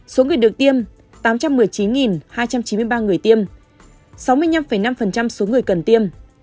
số người được tiêm tám trăm một mươi chín hai trăm chín mươi ba người tiêm sáu mươi năm năm số người cần tiêm